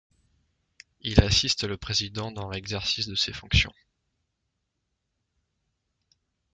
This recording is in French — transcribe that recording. Il assiste le président dans l'exercice de ses fonctions.